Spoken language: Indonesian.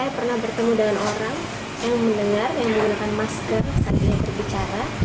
saya pernah bertemu dengan orang yang mendengar yang menggunakan masker saat ini berbicara